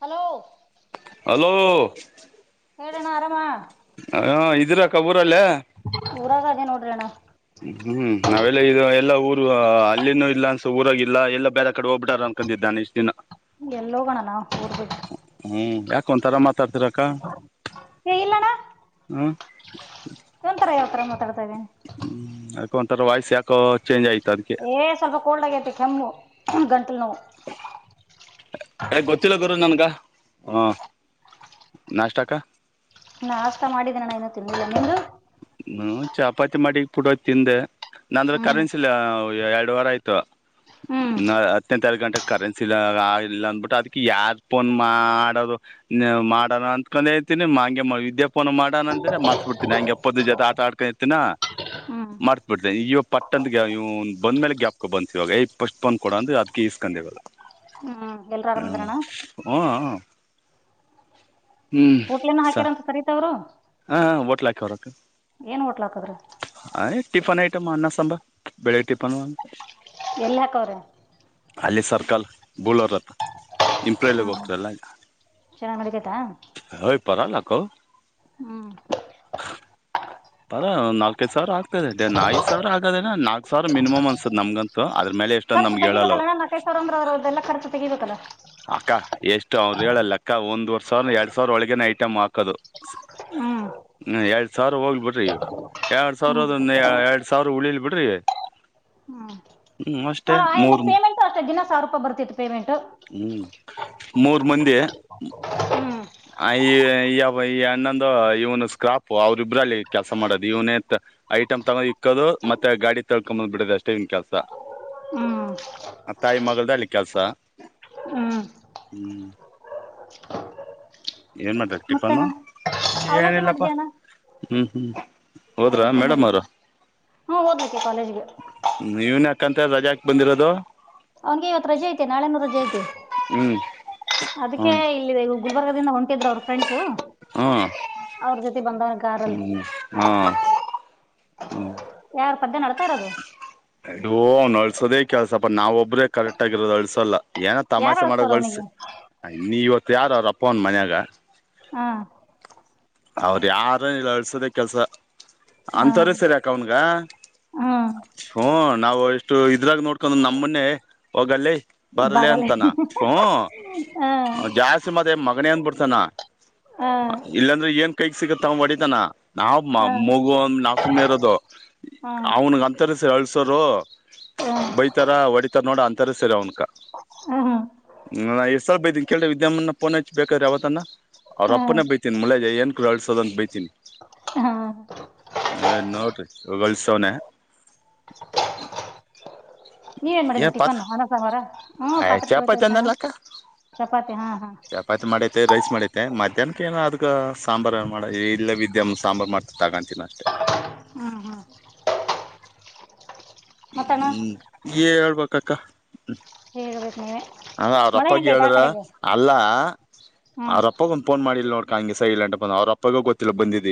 hello hello ಕಡಣರಾಮ ರಲ್ಲ ಅದೇ ನೋಡ್ರಿ ಅಣ್ಣ ಹ್ಮ್ ನಾವೆಲ್ಲ ಇದು ಎಲ್ಲಾ ಊರು ಅಲ್ಲಿನೂ ಇಲ್ಲ ಅನ್ ಊರಾಗಿಲ್ಲ ಎಲ್ಲಾ ಬೇರೆ ಕಡೆ ಹೋಗ್ಬಿಟ್ಟಾರ ಅನ್ಕೊಂಡಿದ್ದಾನೆ ಇಷ್ಟ ದಿನ ಎಲ್ಲೋಗೋಣ ನಾವು ಊರ್ ಬಿಟ್ಟು ಹ್ಮ್ ಯಾಕ ಒಂಥರ ಮಾತಾಡ್ತಿರಕ್ಕ ಏ ಹ್ಮ ಒಂರ ಯಾವ್ತರ ಮಾತಾಡತ ಹ್ಮ್ ಯಾಕ ಒಂಂತರ ವಾಯ್ಸ್ ಯಾಕೋ ಚೇಂಜ್ ಆಯ್ತ ಏ ಸ್ವಲ್ಪ ಕೋಲ್ಡ್ ಆಗೈತಿ ಕೆಮ್ಮು ಗಂಟಲು ನೋವು ಯ ಗೊತ್ತಿಲ್ಲ ಗರು ನನ್ಗ ಹಾ ನಾಷ್ಟಕ್ಕ ನಾ ಆಸ್ತಾ ಮಾಡಿದ್ದೇಣ ಏನೂ ತಿನ್ನ್ನಲಿಲ್ಲ ನಿಮದು ಹ್ಮ ಚಪಾತಿ ಮಾಡಿ ಪುಡೋ ತಿಂದೆ ನಂದ್ರ ಹ್ಮ್ ಕರೆನ್ಸಿಲ್ಲ ಎರಡ್ ವಾರ ಆಯ್ತು ಹ್ಮ್ ನ ಹತ್ತನತ್ ಎರ ಗಂಟೆಗೆ ಕರೆನ್ಸಿ ಇಲ್ಲ ಇಲ್ಲ ಅಂದಬಿಟ್ಟು ಅದ್ ಯಾರ ಫೋನ್ ಮಾಡೋದು ನೀ ಮಾಡಣ ಅತ್ಕೊಂಡ್ ಹೇಳ್ತಿನನಿ ಹ ಹಾಗಂ ವಿದ್ಯಾಪಾನನ ಮಾಡೋಣ ಅಂದ್ರೆ ಮಾಡಸ್ಬಿಡ್ತಿನನಿ ಹಂಗೆ ಪ್ಪದ ಜ ಆಟ ಆಡ್ಕತಿನಾ ಹ್ಮ್ ಮಾಡ್ಸ್ ಬಿಡ್ತ ಇವ ಪಟ್ಟಂದ ಬಂದ ಮೇಲೆ ಗ್ಯಾಪ್ಕ ಬಂತತ್ ಇವಾಗ ಪಫಸ್ಟ್ ಪನ್ ಕೊಡ ಅ್ರ ಅದಕ ಇಸ್ ಧನ್ಯವಾದ ಹ್ಮ ಹ್ಮ ಹಓ ಕೋಟ್ಲಿನ ಹಾಕ್ಯರಂತ ಸರಿತವ್ರು ಹಾ ಒಟ್ಲಾಕಿ ಹೊರಕ್ಕೆ ಏನ್ ಹೊಟ್ಲಾ ಅ ಟಿಫನ್ ಐಟಮ್ ಅನ್ನ ಸಾಂಬ ಬೆಳಿಗ್ಗೆ ಟಿಫನ್ ಅಂದ ಎಲ್ಲಿ ಹಾಕವ್ರೆ ಅಲ್ಲಿ ಸರ್ಕಲ್ ಬಲತ್ ಹ್ಮ್ ಹ್ಮ್ ಇಂಪ್ರೈಲೋಗೋಗತ ಎಲ್ಲ ಚೆನ್ನಾಗ್ ನಡಿತೈತಾ ಹಯ್ ಪರಲ್ಲಕ ಹ್ಮ್ ಪರ ನಾಲ್ಕದು ಸಾವರ ಆದೆ ನಾಕ ಸಾವಿರ ಆಗದೇ ನಾಕಕ್ ಸಾವಿರ ಮಿನಿಮ್ ಅನ್ಸದ ನಮ್ಗಂತ ಅ್ರ ಮೇಲೆ ಎಷ್ಟಂದ್ ನಮ್ಗೆ ಹೇಳಲ್ಲವ ಸರಂದ್ರ್ರ್ದೆಲ್ಲಾ ಖರ್ಚು ತೆಗಿಬೇಕಲ್ಲ ಷ್ಟ ಅವ್ರು ಹೇಳಲ್ಲ ಅಕ್ಕ ಒಂದ್ ವರ್ ಸಾವಿರ ಎರಡ್ ಸಾವಿರ ಒಳಗನೆ ಐಟಮ್ ಹಾಕೋದು ಹ್ಮ್ ಹ್ಮ ಎರಡ್ ಸಾವಿರ ಹೋಗ್ಬಿ ಎರಡ್ ಹ್ಮ್ ಸಾವಿರದ ಎರಡ್ ಸಾವಿರ ಉಳಿಲ್ ಬಿಡ್ರಿ ಇವ ಹ್ಮ್ ಅಷ್ಟೇ ಮೂರ್ ಅಷ್ಟ ದಿನ ಸಾವಿ ರೂಪಾಯ ಬರ್ತಿತ್ತು ಪೇಮೆಂಟ್ ಹ್ಮ್ ಮೂರ್ ಮಂದಿ ಹ್ಮ್ ಆ ಈ ಈ ಅಣ್ಣಂದು ಇವ್ನು ಸ್ಕ್ರಾಪ್ ಅವ್ರಿಬ್ರಲ್ಲಿ ಕೆಲ್ಸ ಮಾಡದು ಇವನತ್ ಐಟಮ್ ತಗೊಂಡ ಇಕ್ಕೋದು ಮತ್ತೆ ಗಾಡಿ ತಳ್ಕೊಂದ್ ಬಿಡೋದ ಅಷ್ಟೇ ಇನ್ ಕೆಲ್ಸ ಹ್ಮ್ ಆ ತಾಯಿ ಮಗಳ್ದಲ್ಲಿ ಕೆಲಸ ಹ್ಮ್ ಹ್ಮ್ ಏನ್ ಮಾಡ್ಬೇಕಕ್ ಟಿಪ್ಪನು ಅವಲಕೆ ಮಾಡಿದ್ದೇಣ ಹ್ಮ್ ಹ್ಮ್ ಹೋದ್ರಾ ಮೇಡಮ್ ಅವ್ರ ಹ್ಮ್ ಓದ್ಲಿಕ್ಕೆ ಕಾಲೇಜ್ಗೆ ಯಕಂತ ರಜಾಕ್ ಬಂದಿರೋದು ಅವನ್ಗೆ ಇವತ್ತು ರಜೆ ಐತೆ ನಾಳೆ ನೂರು ರಜೆ ಐತೆ ಹ್ಮ್ ಅದಕ್ಕೆ ಹ್ಮ್ ಇಲ್ಲಿದೆ ಗುಲ್ಬರ್ಗ ಹೊಂಟಿದ್ರು ಅವ್ರ ಫ್ರೆಂಡ್ಸು ಹಾ ಅವ್ರ ಜೊತೆ ಬಂದವನ ಗಾರಲ್ಲಿ ಹ್ಮ್ ಹಾ ಹ್ಮ್ ಯಾರು ಪದ್ಯ ನಡ್ತಾ ಇರೋದು ಅಅವ್ನು ಅಳ್ಸೋದೇ ಕೆಲ್ಸಪ್ಪ ನಾವ್ ಒಬ್ಬ್ರೇ ಕರೆಕ್ಟ್ ಆಗಿರೋದು ಅಳ್ಸಲ್ಲ ಏನ ಯಾರು ತಮಾಷೆ ಮಾಡ ಅಳಸ್ತಾರ ಳಸ ಅವನಿಗೆ ನೀವತ್ ಯಾರ ಅವ್ರಪ್ಪ ಅವನ್ ಮನ್ಯಾಗ ಹಾ ಅವೌದ ಯಾರು ಇಲ್ಲ ಅಳ್ಸೋದೇ ಕೆಲ್ಸ ಹಾ ಅಂತವರ ಸರಿ ಅಕೌನ್ಗನ ಹಾ ಹೂ ನಾವು ಎಷ್ಟು ಇದ್ರಾಗ ನೋಡ್ಕೊಂಡ್ ನಮ್ಮೊನ್ನೆ ಹೋಗಲ್ಲಿ ಬರ್ಲಿ ಬಾರಲೆ ಅಂತಾನ ಹಾ ಹ ಜಾಸ್ತಿ ಮದೆ ಮಗನ ಅನ್ ಬಿಡ್ತಾನ ಹ್ಮ ಏನ್ ಕೈಗ್ ಸಿಗುತ್ತ ಅವ ಹೊಡಿತನ ನಾವ ಹಾ ಮಗು ಒಂದ ನಾವು ಸುಮ್ಮನೆ ಇರೋದು ಹಾ ಅವ್ನಗ ಅಂತರಸ ಎಳ್ಸರು ಬೈತರ ಹೊಡಿತಾರ ನೋಡ ಅಂತರ ಸರಿ ಅವ್ನ್ ಹಾ ಹ ಎಷ್ಟಲ್ ಬೈತೀನಿ ಕೇಳ್ರೆ ವಿದ್ಯನ ಪೋನ್ ಹಚ್ಚ ಬೇಕಾದ್ರೆ ಅವಾವತ್ತನ್ನ ಅವ್ರ ಹಾ ಅಪ್ಪನೇ ಬೈತೀನಿ ಮುಳೆ ಏನ್ ಕಳ್ಸೋ ಅಂತ ಬೈತನಿ ಹಾ ಹಾ ಏನೋಡ್ರಿ ವ ಉತ್ಸವನ ನೀವ ಏನ್ ಮಾಡಿದ್ರಿ ಟಿಫನ್ ಹನಸಹಾರ ಆಯ್ ಚಪಾತಿ ಅನ್ನಲ್ಲಕ್ಕ ಚಪಾತಿ ಹಾಂ ಹಾಂ ಚಪಾತಿ ಮಾಡೇತೆ ರೈಸ್ ಮಾಡೈತೆ ಮತ್ತ ಮಧ್ಯಾಹ್ನಕ್ಕೆ ಏನು ಅದ್ ಸಾಂಬಾರು ಮಾಡ ಇಲ್ಲ ವಿದ್ಯ ಸಾಂಬಾರು ಮಾಡ್ತ ತಗಂತೀನಿ ಅಷ್ಟೆ ಹ್ಮ್ ಹ್ಮ್ ಹ್ಮ್ ಹೇಳ್ಬೇಕಕ್ಕ ಹೇಳೇ ಹ ಅವ್ರಪ್ಪಗ ಹೇಳ್ರ ಅಲ್ಲಾ ಹ್ಞೂ ಅವ್ರಪ್ಪಾಗ ಒಂದ್ ಫೋನ್ ಮಾಡಿಲ್ ನೋಡ್ ಹಂಗೆ ಸ ಇ ಅ ಬಂದ ಅವ್ರಪ್ಪಗ ಗೊತ್ತಿಲ್ಲ ಬಂದಿದ್ದು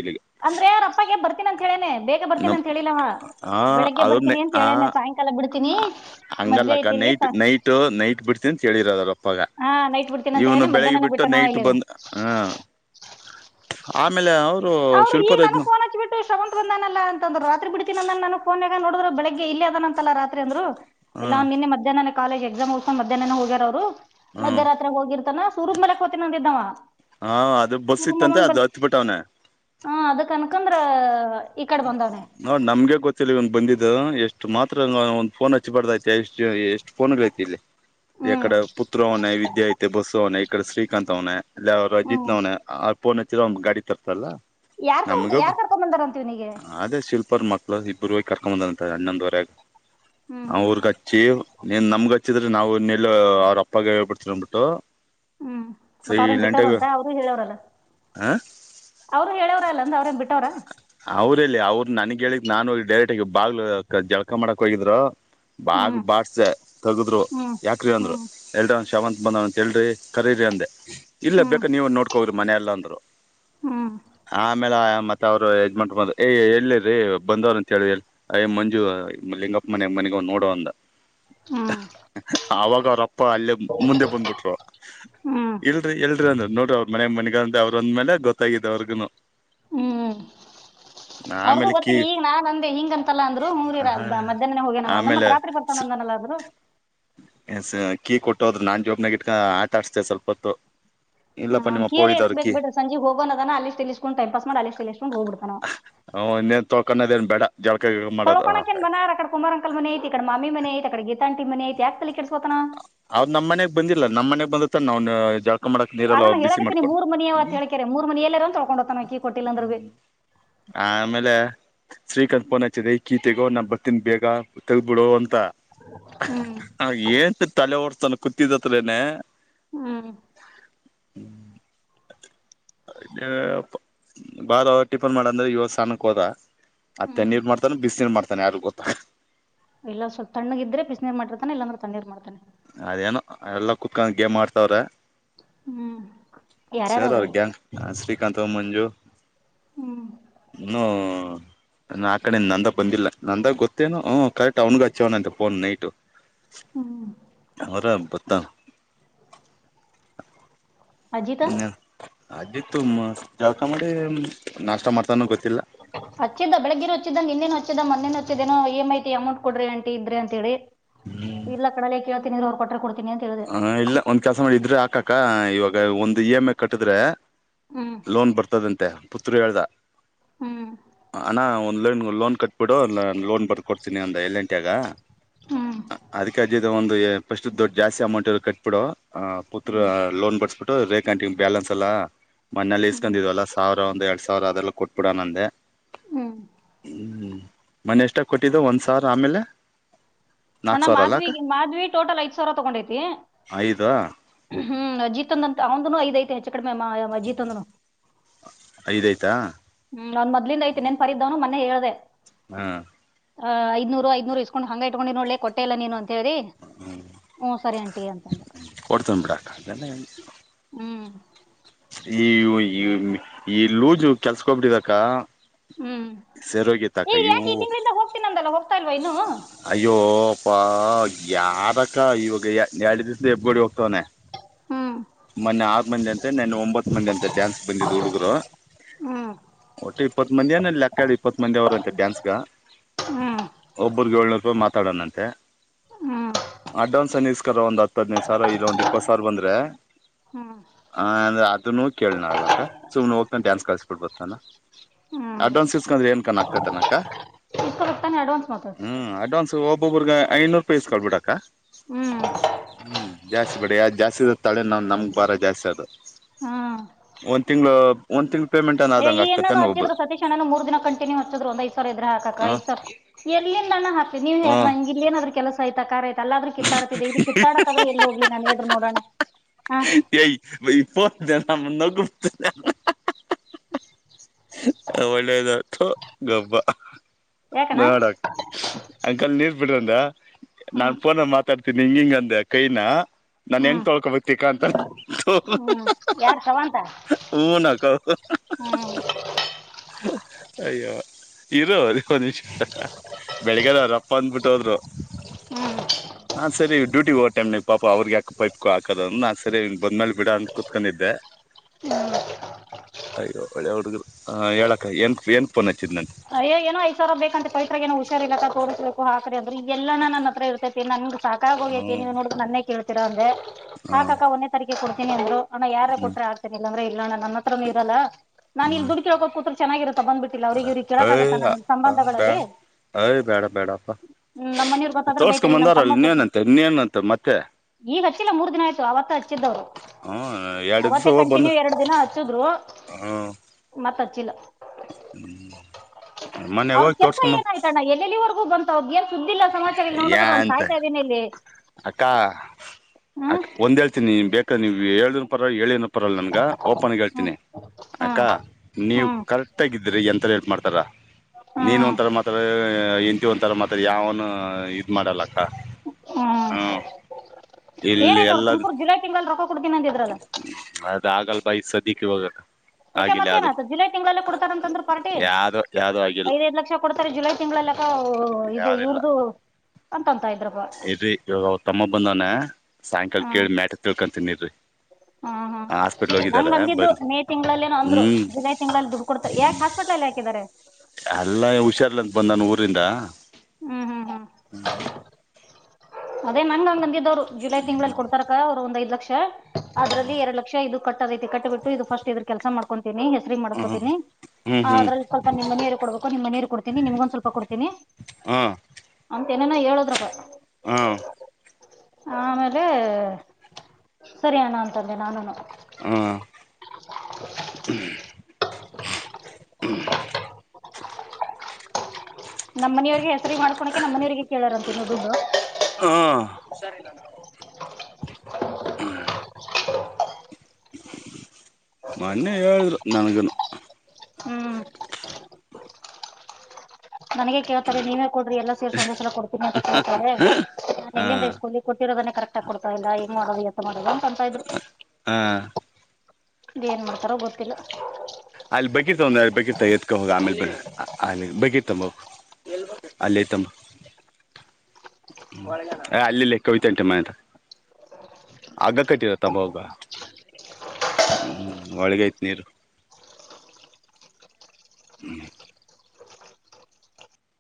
ಅಂದ್ರೆ ಅವನ್ ಅಪ್ಪಗೆ ಬರ್ತೀನ ಅಂತ ಹೇಳೇನೆ ಬೇಗ ನ ಬರ್ತೀನಿ ಅಂತ ಹೇಳಿಲ್ಲ ಅವ ಹ ಬೆಳಗ್ಗೆ ಅದು ಬರ್ತೀನಿ ಅಂತ ಹ ಹೇಳೇನೆ ಸಾಯಂಕಾಲ ಬಿಡ್ತೀನಿ ಮದ್ವೆ ಹಂಗಲ್ಲಕ್ಕ ಐತಿ ಇಲ್ಲಿ ನೈಟ್ ಸಾ ನೈಟ್ ನೈಟ್ ಬಿಡ್ತ ಅಂತ ಕೇಳಿರದಪ್ಪಾಗ ಹಾಂ ನೈಟ್ ಬಿಡ್ತೀನಿ ಅಂತ ಇವನು ಹೇಳೇನೆ ಬೆಳಿಗ್ಗೆ ಮಧ್ಯಾಹ್ನನೇ ಬಿಟ್ಟು ಬಿಟ್ಟನವ ನೈಟ್ ಇಲ್ಲಿ ಬಂದ ಹಾ ಆಮೇಲೆ ಅವರು ಈಗ ನನಗ್ ಫೋನ್ ಹಚಬಿಟ್ಟು ಶ್ರವಂತ್ ಬಂದಾನಲ್ಲ ಅ ಅರು ರತ್ರಿ ಬಿಡ್ತೀನ್ [unintelligible] ಫೋನ್ನೆಗ ನೋಡ್ರ ಬೆಳಗ್ಗೆ ಇ ಅದ ಅಂತಲ್ಲ ಹ ರಾತ್ರಿಂದ್ರರುಲ್ಲ ನಿ ಮಧ್ಯಾಹ್ನನೆ ಕಾಲೇಜ್ ಎಕ್ಸಾಮ್ಸ ಮುಗಸ್ಕೊಂಡ್ ಮ್ಯಾಹ್ನನೆ ಹೋಗ್ಯಾರ ಅವರು ಹ್ಮ ಮಧ್ಯೆರಾತ್ರಿ ಹೋಗಿರ್ತಾನ ಸೂರಗ್ ಮೇಲೆ ಕೂತಿದ್ ಅಂದಿದ್ದವ ಹಾ ಅದು ಬಸ್ ಸೂರು ಇತ್ತಂತೆ ಮಾಮನ್ ಅದು ಬಲ್ ಹತ್ ಬಿಟ್ಟವ್ನೆ ಹಾ ಅದಕ್ ಅನ್ಕಂದ್ರ ಈ ಕಡೆ ಬಂದವ್ನೆ ನಾ ನಮ್ಗೆ ಗೊತ್ತಿಲ್ಲ ಇವನ್ ಬಂದಿದ್ದ ಎಷ್ಟು ಮಾತ್ರ ಒಂದ ಫೋನ್ ಹಚ್ಚಿಬಾರ್ದೈಐತಿ ಎಷ್ಟ ಎಷ್ಟು ಫೋನ್ಗಳ್ ಐತಿ ಇಲ್ಲಿ ಹ್ಮ್ ಎಕ್ಕಡ ಪುತ್ರ ಉನ್ನ್ ವಿದ್ಯ ಐತೆ ಬಸ್ಸು ಉನ್ ಇಕ್ಕಡೆ ಶ್ರೀಕಾಂತ್ ಅವ್ನೆ ಇಲ್ಲಿ ಅವ್ರು ಅಜಿತ್ ಹ್ಮ್ ನವ್ನ ಅವಫೋನ್ ಹತ್ತಿರ ಅವ್ ಗಾಡಿ ತರ್ತಲ್ಲ ಯಾರ್ ನಮ್ಗ ತಗ ಯಾರ್ ತರ್ಕೊಂಬಂದಾರ ಅಂತ ಇವ್ನಿಗ್ ಅದೇ ಶಿಲ್ಪರ್ ಮಕ್ಳು ಇಬ್ಬರು ಕರ್ಕೊ ಬಂದಂತ ಅಣನ್ನೊಂದ್ವರೆಗ ಹ್ಮ್ ಹ್ಮ್ ಅವ್ರಿಗ್ ಹ್ಮ್ ಹಚ್ಚಿ ನೀನ್ ನಮ್ಗ ಹಚ್ಚಿದ್ರೆ ನಾವ್ ನಿಲ ಅವ್ರ ಅಪ್ಪಗೆ ಹೇಳ್ಬಿತರನ್ಬಿಟ್ಟು ಹ್ಮ್ ಮತ್ ಅವ್ರೇನ್ ಬಿಟ್ಟಾರಂತ ಅವ್ರೂ ಹೇಳವ್ರಲ್ಲ ಹ ಅವರು ಹೇಳವ್ರ ಅಲ್ಲಂದ ಅವ್ರೇ ಬಿಟ್ಟವ್ರ ಅವ್ರಲ್ಲಿ ಅವ್ರರು ನನಗ್ ಹೇಳಿದ್ ನಾನೊಗಿ ಡೈರೆಕ್ಟ್ಗ ಬಾಗ್ಲ ಜಳಕ ಮಾಡಕ್ ಹೋಗಿದ್ರು ಬಾ ಹ್ಮ್ ಬಾಡಸ್ದ ತಗದ್ರು ಹ್ಮ್ ಯಾಕ್ರಿ ಅಂದ್ರು ಹ್ಮ್ ಎಲ್ಡ ಒ ಶವಂತ್ ಬಂದವಂತ ಹೇಳ್ರಿ ಕರೀರಿ ಅಂದೆ ಇಲ್ಲ ಹ್ಮ್ ಬೇಕಾ ನೀವು ನೋಡ್ಕೋರಿ ಮನೆೆಯಲ್ಲ ಅಂದ್ರು ಹ್ಮ್ ಆಮೇಲೆ ಮತ್ತ ಅವ್ರು ಎಜಮನ್ರ ಏ ಎಲ್ಲಿರರಿ ಬಂದವ್ರ ಅಂತ ಹೇಳಿ ಎ ಅಯ್ ಮಂಜು ಲಿಂಗಪ್ಪ ಮನೆ ಮನೆಗ್ ನೋಡೋ ಅಂದ ಹ್ಮ ಅವಾಗ ಅವ್ರಪ್ಪ ಅಲ್ಲೇ ಮುಂದೆ ಬಂದ್ಬಿಟ್ರು ಹ್ಮ್ ಇಲ್ರಿ ಎಲ್ರಿ ಅಂದ್ರ ನೋಡಿ ಅವ್ರ ಮನೆ ಮನೆಗ ಅವ್ರಂದ ಮೇಲೆ ಗೊತ್ತಿದ್ದ ಅವ್ರಗನು ಹ್ಮ್ [unintelligible] ಅವ್ರಿಗೂ ಕೀ ಗೊತ್ತಿಲ್ಲ ಈಗ ನಾನ್ ಅಂದೆ ಹಿಂಗ ಅಂತಲ್ಲ ಅಂದ್ರು ಹಂಗೂರ ಮಧ್ಯಾಹ್ನನೆ ಹೋಗೇನ ನ ನಮ್ಮತ್ ರಾತ್ರಿ ಬರ್ತಾನಲ್ಲ [unintelligible] ಹ ಕೀ ಕೊಟ್ಟೋದ್ರರು ನಾನ್ ಜೋಬನಾಗ ಇಟ್ಕ ಆಟ ಆಡ್ಸ್ತೇ ಸ್ವಲ್ಪತ್ತು ಹಾ ಕೀರೆ ಎದಕ್ ಬಕ್ ಬಿರ ಸಂಜೆ ಹೋಗೋ ಅದ ಅಲ್ಲಿ ತಿಳಸ್ಕು [unintelligible] ಮಾಡ ಅ ತಿಳಿಸಸ್ಕೊಂಡು ಹ್ ಇನ್ನೇನ್ ತೋಕೊಂಡದೇನ್ ಬೇಡ ಜಳಕ ಗಿಳಕ ಮಾಡೋದು ತೊಳೋಕೋಕಏನ್ ಮನಾರ್ ಅಕಡ ಕುಮಾರ ಅಂಕಲ್ ಮನೆತ್ ಇಕಡೆ ಮಾಮಿ ಮನೈತ್ ಅಡೆ ಗೀತಾಟಿ ಮನೆತ್ ಯಾಕ ತಲಿ ಕೆೇಳಿಸಸೋತನಾ ಅವ್ ನಮ್ಮ ಮನೆಗ್ ಬಂದಿಲ್ಲ ನಮ್ಮ ಮನೆಗ್ ಬಂದತ್ತ ನ್ ಜ ಅಲ್ಲ ನ ಹ ಹೇಳಕತಿನನಿ ಮೂರ್ ಮನಿ ಅವತ್ಕಾರೆ ಮೂರ್ ಮನ ಎಲ್ಲರ ಅನ್ ತಳ್ಕೊಂಡೋಗತ ನವಕ್ಕಿ ಕೊಟ್ಟಿಲ್ಲ ಅಂದ್ರರು ಬಿ ಹ ಆಮೇಲೆ ಶ್ರೀಕಾಂತ್ ಪೋನ ಹಚದ ಕೀತೆಗೋ ನಾ ಬರ್ತಿನ ಬೇಗ ತೆಗಬಿಡು ಅಂತ ಹ್ಮ್ ಆ ಏನ್ ತಲೆ ಓಡಿಸ್ತಾನಾ ಕೂತಿದತ್ರೇನೆ ಹ್ಮ್ ಬಾರೊ ಟಿಪ್ ಮಾಡ ಅಂದ್ರೆ ಯವ ಸಾನಕ್ಕೆ ಹೋದ ಮತ್ತೆ ಹ್ಮ್ ತ್ತನೀರ್ ಮಾಡ್ತಾನ ಬಿಸ ನೀರ್ ಮಾಡ್ತಾನೆ ಯಾರಿಗ್ ಗೊತ್ತಾ ಎಲ್ಲ ಸ್ವಲ್ಪ ತಣ್ಣಗ ಇದ್ರೆ ಬಿಸನಿರ್ ಮಾಡಿತಾನೆ ಇಲ್ಲಂದ್ರೆ ತನ್ನಿರ್ ಮಾಡಿರ್ತಾನೆ ಅದೇನು ಎಲ್ಲ ಕುತ್ಕೊಂಡ್ ಗೇಮ್ ಮಾಡ್ತವ್ರ ಹ್ಮ್ ಯಾರ್ಯಾರ ಸರ್ ಅವ್ರೆ ಅವ್ರ ಗ್ಯಾಂಗ ಹ ಶ್ರೀಕಾತ್ ಮಂಜು ಹ್ಮ್ ನ ಆ ಕಡೆ ನಂದಾಗ ಬಂದಿಲ್ಲ ನಂದಾಗ ಗೊತ್ತೇನು ಕರೆಕ್ಟ್ ಅವ್ನಗ ಹಚ್ಚವನಂತೆ ಪೊನ್ ನೈಟ್ ಹ್ಮ್ ಅವರ ಬತ್ತ ಅಜಿತ ಅತ್ತು ಜಾತ ಮಾಡಿ ನಾಷ್ಟ ಮಾಡ್ತಾನ ಗೊತ್ತ ಹಚ್ಚಿದ್ದ ಬೆಳಗ್ಗೆರು ಹಚ್ಚಿದ್ದಂ ಇನ್ನೇನು ಹಚ್ಚ ಚ್ಚ ಮೊಚ್ಚೇನೋ ಇ ಎಮಂ ಐಟ ಅಮೌಂಟ್ ಕೊಡ್ರಿ ಅಂಟಿ ಇದ್ರಿ ಅಂತ ಹೇಳಿ ಇಲ್ಲಾ ಕಡ ತ್ತಿನ ನೀವರು ಕೊಟ್ಟ ಕೊ ಹ ಇಲ್ಲ ಒಂದ್ ಕೆಲ್ಸ ಮಾಡಿ ಇದ್ರೆ ಆಾಕಾಕ್ಕ ಇವಾಗ ಒಂದ್ ಇ ಎಮ್ ಕಟ್ಟಿದ್ರೆ ಹ್ಮ್ ಲೋನ್ ಬರ್ತದಂತೆ ಪುತ್ರು ಹೇಳ್ದ ಹ್ಮ್ ಅಣ ಒಂದ್ ಲೋನ್ ಲೋನ್ ಕಟ್ಬಿಡು ಲೋನ್ ಬರ್ಕೊತನಿ ಒಂದ ಎೆಂಟಿಯಾಗ ಹ್ಮ್ ಅದಕ್ಕೆಜದ ಒಂದು ಪಫಸ್ಟ್ ದೊಡ್ಡ ಜಾಸ್ತಿ ಅಮೌಂಟ್ ಎಲ್ಲ ಕಟ್ಬಿಡುುವ ಆ ಪುತ್ರ ಲೋನ್ ಬಡಸ್ಬಿಟ್ಟು ರೇಕ್ಂಟ ಬ್ಯಾಲೆನ್ಸ್ ಅಲ್ಲಾ ಮನೆಯಲ್ಲಿ ಇಸ್ಕಂದಿದ್ವಲ್ಲ ಸಾವಿರ ಒಂದ್ ಎರಡ್ ಸಾವಿರ ಅದೆಲ್ಲ ಕೊಟ್ಬಿಡ ನಂದೆ ಹ್ಮ್ ಹ್ಮ ಮನೆ ಎಷ್ಟ ಕೊಟ್ಟಿದ್ದ ಒಂದ್ ಸಾವಿರ ಆಮೇಲೆ ಅಣ ನಾಕ್ ಸಾವಿರ ಮಾಧ್ ಅಲ್ಲ ಅಕ್ಕ ಮಾಧ್ವಿ ಟೋಟಲ್ ಐದ ಸಾವಿರ ತಗೊಂಡೈತಿ ಐದು ಹ್ಮ್ ಅಜಿತ್ದಂತ ಅವಂದನು ಐದ ಐ ಹೆಚ್ಚು ಕಡಿಮೆ ಅಜಿತ್ದ್ನು ಐದಾಯ್ತಾ ಹ ನನ್ ಮದ್ಲಿಂದ ಐತೆತಿ ನನ್ರೀದ್ದವನು ಮನೆೆ ಹೇಳೆ ಹ್ಮ್ ಆ ಐ್ನೂ ಐ್ನೂ ಇಸ್ಕೊಂಡ್ ಹಂಗ ಇಟ್ಕೊಂಡು ಒಳ್ಳೆ ಕೊಟ್ಟ ಇಲ್ಲ ನೀನು ಅಂತ ವ್ರರಿ ಹ್ಮ ಸರಿ ಆಂಟಿ ಅಂತಂದು ಎ ಈ ಈ ಈ ಲೂಜು ಕೆಲ್ಸಕ ಹೋಗ್ಬಿಟ್ಟಿದಕ್ಕ ಹ್ಮ್ ಸರೋಗಿ ಈಗ ಯಾಕೆ ತಕಯವು ಈ ತಿಂಗಳಿಂದ ಹೋಗ್ತೀನಂದಲ್ಲ ಹೋಗ್ತಾ ಇಲ್ವಾ ಇನ್ನು ಅಯ್ಯೋ ಪ್ಪಾ ಯಾರಕ್ಕ ಇವಾಗ ಎರಡು ದಿವಸದ ಹೆಬ್ಗಡಿ ಹೋಗ್ತವನನೆ ಹ್ಮ್ ಮೊನ್ನೆ ಆರ್ ಮಂದಿ ಅಂತ ನನ್ನ ಒಂಬತ್ ಮಂದಿ ಅಂತ ಚಾನ್ಸ್ ಬಂದಿದು ಹುಡುಗರು ಹ್ಮ್ ಒಟ್ಟೆ ಇಪ್ಪತ್ ಮಂದಿ ಏನ ಲೆಕ್ಕಾ ಇಪ್ಪತ್ ಮಂದಿ ಅವ್ರಂತೆ ಡ್ಯಾನ್ಸ್ಗ ಹ್ಮ್ ಒಬ್ಬರ್ ಏಳ್ನೂರು ರೂಪಾಯಿ ಮಾತಾಡೋಣಂತೆ ಹ್ಮ್ ಅಡ್ವಾನ್ಸ್ ಅನ್ನಸ್ಕರ ಒಂದ್ ಹತ್ ಹದ್ನೈದು ಸಾವಿರ ಇರ ಒಂದ್ ಇಪ್ಪತ್ ಸಾವಿರ ಬಂದ್ರೆ ಹ್ಮ್ ಹ ಅಂದ್ರೆ ಅದನು ಕೇಳಣ ಅಲಕ್ಕ ಸುಮ್ನೆ ಹೋಗ್ತಾನ ಚಾನ್ಸ್ ಕಳ್ಸಬಿಡ್ಬತ್ತಾನ ಹ್ಮ್ ಅಡ್ವಾನ್ಸ್ ಸಿಸ್ಕೊಂಡ್ರೆ ಏನ್ ಕಕ್ಕತನಕ್ಕ ಇಪ್ಪತಾನೆ ಅಡ್ವಾನ್ಸ್ ಮಾತ ಒಬ್ಬೊಬರ್ಗ ಐನೂರು ರೂಪಾಯಿಸ್ಕೊಳ್ಬಿಟ್ಟಕ್ಕ ಹ್ಮ್ ಹ್ಮ ಜಾಸ್ತಿ ಬ ಜಾಸ್ತಿ ತಳೆ ಇನ್ನೊ ನಮ್ಗ್ ಭಾರ ಜಾಸ್ತಿ ಅದು ಹ್ಮ್ ಒಂದ್ ತಿಗಳು ಒಂದ್ ತಿಂಗ್ ಏ ಈಏ ನಾನು ಹಚ್ಚಿದರು ಸತೀಣನನು ಮೂರ್ ದಿನ ಕಂಟಿನ್ಯೂ ಹಚ್ಚಿದ್ ಒಂದ್ಐದ ಸಾವಿರ ಇದ್ರ ಹಾಕ ಹ ಐದ ಸಾವಿ ಎಲ್ಲಿಂದಾನು ಹಾಕ ನೀವ ಹ ಹೇಳ ನಂಗಿ ಏನಾದ್ರ ಕೆಲಸ ಆ್ತಖ ಆಯ ಎಲ್ಲಾದ್ರೂ ಕಿತ್ತಾಡ್ತಿದೆ ಇಲ್ಲಿ ಕಿತ್ತಾಡಕಕ್ದ್ರೂ ಎಲ್ಲಿ ಹೋಗ್ಲಿ ನನ್ ಹೇಳಿದರು ನೋಡೋಣ ಹಾ ಪನ್ತ ನಮ್ಮ ನಗುತ ಒಳ್ಳೇದತ್ತು ಗಬ್ಬ ಯಾಕಣ್ಣ ನೋಡ ಅಂಕಲ್ ನೀರ್ ಬಿಡ್ರಂದ ನಾನ್ ಹ್ಮ್ ಪಫೋನ್ ಮಾತಾಡ್ತೀನಿ ಹಿಂಗ ಹಿಂ ನನ್ ಹ್ಮ್ ಹೆಂಗಅಂತ ಹ್ಮ್ ಯಾರ್ ಸವಂತ ಹೂನಕ ಹ್ಮ್ ಅಯ್ಯೋ ಇರೋ ಲೆ ಹಾ ಹಾ ಬೆಳ್ಳಿಗೆ ಅವ್ರು ಅಪ್ಪ ಅಂದು ಬಿಟ್ಟು ಹೋದ್ರು ಹ್ಮ್ ಹಾ ಸರಿ ಡ್ಯೂಟಿ ಹೋಗ ಟೈಮನಾಗ ಪಾಪ ಅವ್ರಿಗೆ ಯಾಕ್ ಪಾಪ ಹಕದ ನಾ ಸರಿ ಬಂದ್ ಮೇಲೆ ಬಿಡನ ಅಂತ ಕೊತ್ಕೊಂಡಿದ್ದೆ ಹ್ಮ ಅಯ್ಯೋ ಒಳ್ಳೆ ಹುಡುಗರು ಆ ಹೇಳಾ ಅಕ್ಕ ಏನ್ ಏನ್ ಫೋನ್ ಹಚ್ಚಿದ್ ನಂತೆ ಅಯ್ಏನ್ ಐದು ಸಾವಿರ ಬೇಕಂತ ಪವಿತ್ರ ಗ ಏನೂ ಹುಷಾರ್ ಇಲ್ಲ ಅಂತ ತೋರಿಸ್ಬೇಕು ಅಕ್ರಿ ಅಂದ್ರೂ ಈಗ ಎಲ್ಲಿ ಅಣ್ಣ ನನ್ನ ಅತ್ರ ಇರ್ತೈತಿ ನನ್ಗೆ ಸಾಕಾಗಿ ಹೋಗೇತೀನಿ ಹ್ಮ್ ನೋಡ ನನ್ನೇ ಕೇಳ್ತಿರ ಅಂದೆ ಹ್ಮ್ ಆಾಕಕ್ಕ ಒಂದೆ ತರಕೆ ಕೊಡ್ತೀನಿ ಅಂದರು ಅಣ್ಣ ಯಾರ ಹ್ಮ್ ಕೊಟ್ರೆ ಆಡ್ತೇನೆ ಇಲ್ಲಂದ್ರೆ ಇಲ್ಲಣ್ಣ ನನ್ನತ್ರನು ಇಲ್ಲ ನಾನ್ ಇ ಡುಿ ಹಕೋ ಕೂತ ಚೆಗಿತ್ತ ಬಂದ್ಬಿಟ್ಟಿಲ್ಲ ಅವ್ರಿಗೆ ಇವ್ರ ಕೇಳಕ್ ಹಯ್ ಆಗತ್ತಾನ ನಿಮ ಬ್ಯಾ ಸಂಬಂಧಗಳಲ್ಲಿ ಅಯ್ ಬೇಡ ಬೇಡಪ್ಪ ಹ್ಮ್ ನಮ್ಮ್ ಮನೀರ್ ಗೊತ್ತಾದ್ರೂ ಬೈತರಿ ತೋರ್ಸ್ಕೊಂಡ್ ಇ ನಮ ಬಂದಾರಲ್ಲ ಕಮ್ಮಗ್ ಗೊತ್ತ ಇನ್ನೇನಂತೆ ಇನ್ನೇನಂತೆ ಮತ್ತೆ ಈಗ ಹಚ್ಚಿಲ್ಲ ಮೂರ್ ದಿನ ಆಯ್ತು ಆತ್ತ ಹಚ್ಚಿದ್ದವ್ರು ಹ್ಮ ಎರಡು ದಿವ್ಸ ನವತ್ತೆ ಹೋಗ್ ಬಂದು ಕಂಟಿನ್ಯೂ ಎರಡ್ ದಿನ ಹಚ್ಚಿದ್ರು ಹ್ಮ್ ಮತ್ತ ಹಚಿಲ್ಲ ಮೊನ್ನೆ ಅವ್ರದ ಹೋಗಿ ಕೆಲ್ಸ ತೋರ್ಸ್ಕೊಂಬಂದ್ ಏನಾಯ್ತಣ್ಣ ಎಲ್ಲೆಲ್ಲಿವರೆಗೂ ಬಂತ ಅವಲ್ಸ ಸುದ್ದಿಲ್ಲ ಸಮಾಚಾರ ಇಲ್ಲಿ ಯಾ ನೋಡದ್ರ ನಾನು ಅಂತ ಸಾಯ್ತಾ ಇದ್ದೇನ ಇಲ್ಲಿ ಅ ಹ್ಮ್ ಒಂದ್ ಹೇಳ್ತೀನಿ ನೀ ಬೇಕ ನೀವು ಹೇಳನ್ರ ಲ್ಲಿ ನನ್ ಓಪನ್ ಹ್ಮ್ ಹೇಳ್ತಿನನಿ ಅಕ್ಕ ಹ್ಮ್ ನೀವು ಹ್ಮ್ ಕರೆಕ್ಟ್ ಆಗೀರಿ ಎಂತ ಮಾಡ್ ರ ನೀನ್ ಹ್ಮ್ ಒಂತರ ಮಾತ ಇಂತಿ ಒಂತರ ಮಾ ಯಾವನು ಈದು ಮಾಡಾಡಲಕ್ಕ ಹ್ಮ್ ಹಾಂ ಇಲ್ಲಿ ಏನಾಯ್ತು ಅವ್ರು ಎಲ್ಲ ತುಮಕೂರ್ ಜುಲೈ ತಿಂಗಳಲ್ಲಿ ರೊಕ್ಕ ಕೊಡ್ತೀನಿ ಅಂದಿದ್ರಲ್ಲ ಅದ ಆಗಲ್ ಬೈಸದ ಇವಾಗಾ ಕ ಮತ್ತೇನತ ಜುಲೈ ತಿಂಗಳಲ್ಲಿ ಕೊಡ್ತಾರ ಅಂತಂದ್ರ ಪಾರ್ಟಿ ಯಾವ್ದೋ ಯಾವ್ದೋ ಆಗಿಲ್ಲ ಐದೈ ಲಕ್ಷ ಕೊ ಸ ಜುಲೈ ತಿಂಗಳಲ್ಲಕ ಇದು ಇವ್ರದು ಅಂತಂತ ಇದ್ರಪ್ಪ ಇದ್ರಿ ಇವಾಗ ಅವ್ರ ತಮ್ಮ ಬಂದವನ ಸಾಯಂಕಾಲ ಹ್ಮ್ ಕೇಳಿ ಮ್ಯಾಟ ತಿಳ್ಕೊಂತೀನಿರಿ ಹ್ಮ್ ಹ್ಮ್ ನಂಗ ಅಂದಿದ್ದು ಮೇ ತಿಂಗಳಲ್ಲೇನನು ಅಂದ್ರು ಹ್ಮ್ ಜುಲೈ ತಿಂಲ್ಲಿ ದುಡ್ಡು ಕೊಡ್ತಾರೆ ಯಾಕ ಹಾಸ್ಪಿಟ್ಲ್ ಹಾಕಿದ್ದಾರೆ ಎಲ್ಲ ಹುಷಾರ್ಲ ಅಂತ ಬಂದ ನಾನು ಊರಿಂದ ಹ್ಮ್ ಹ್ಮ್ ಹ್ಮ್ ಅದೇ ನಂಗ ಹಂಗ ನಂಗೆದವರು ಜುಲೈ ತಿಂಲ್ಲಿ ಕೊಡ್ತಾರ ಅವರು ಒಂದ್ ಐಲಕ್ಷ ಅದ್ರಲ್ಲಿ ಎರಡು ಲಕ್ಷ ಇದು ಕಟ್ಟದಐತಿ ಕಟ್ಟಿ ಬಿಟ್ಟು ಇದು ಫಸ್ಟ್ ಇದ್ರ ಕೆಸ ಮಾಡ್ಕೊತೀನಿ ಹೆಸರಿ ಹ್ಮ್ ಮಾಡ್ಕೊತೀನಿ ಹ್ಮ್ ಹ್ಮ್ ಅದ್ರಲ್ಲಿ ಸ್ವಲ್ಪ ನಿಮ್ ನೀರು ಕೊಡ್ಬೇಕು ನಿಮ್ಮ ನೀರು ಕೊಡ್ತೀನಿ ನಿಮಗಂದ್ ಸ್ವಲ್ಪ ಕೊಡನಿ ಹಾಂ ತನನಏ ಹೇಳೋದ್ರೂಪ ಹಾ ಆಮೇಲೆ ಸರಿ ಅಣ್ಣ ಅಂತಂದೆ ನಾನುನು ಹಾ ಹ್ಮ್ ನಮ್ಮ ಮನಿಯವ್ರಿಗೆ ಹೆಸರಿ ಮಾಡ್ಕೊಳಕೆ ನಮ್ಮನಿಯವರಿಗೆ ಕೇಳಾರಂತನ ಬಡು ಹ್ಮ್ ಮೊನ್ನೆ ಹೇಳಿದ್ರು ನನಗನು ಹ್ಮ್ ನನಗೆ ಕೇಳ್ತಾರೆ ನೀವೇ ಕೊಡ್ರ ಎಾ ಸೇರ್ ಸಂದೇಶ ಎಲ್ಲ ಕೊರಿ ಕೇಳ್ತಾರೆ ಹಾ ಎಲ್ಲಿಂದ್ರ ಸ್ಕೂಲ ಕೊಟ್ಟಿರೋದ ಕರೆಕ್ಟ್ ಆಗ ಕೊಡ್ತಾ ಇಲ್ಲಾ ಮಾಡೋದು ಎತ್ತ ಮಾಡದ ಅಂತ ಅಂತ ಇದ್ರು ಹ ಇೇಏನ್ ಮಾಡ್ತಾರ ಗೊತ್ತಿಲ್ಲ ಅಲ್ಲಿ ಬಿತ ಒಂದ ಅಲ್ಲಿ ಬೇಕಿರ್ತಾ ಎತ್ಕಳಗ ಆಮೇಲೆ ಬ ಆ ಬಗ್ತಂಬ ಅಲ್ಲೇ ತಮ್ಮ ಅಲ್ಲಿ ಕವಿತೆಂಟ ಮನೆಂತ ಅಗ್ಗ ಕಟ್ಟಿರ ತಂಬಗ ಹ್ಮ್ ಒಳಗಯ್ತ್ ನೀರು ಹ್ಮ್